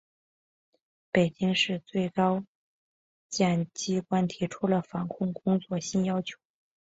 北京市、最高检机关提出了防控工作新要求